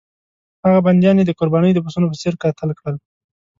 هغه بندیان یې د قربانۍ د پسونو په څېر قتل کړل.